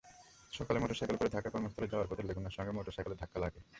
সকালে মোটরসাইকেলে করে ঢাকায় কর্মস্থলে যাওয়ার পথে লেগুনার সঙ্গে মোটরসাইকেলের ধাক্কা লাগে।